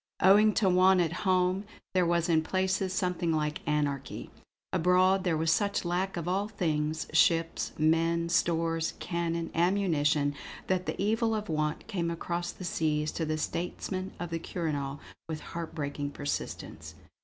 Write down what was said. Owing to want at home, there was in places something like anarchy; abroad there was such lack of all things, ships, men, stores, cannon, ammunition, that the evil of want came across the seas to the statesmen of the Quirinal with heart breaking persistence.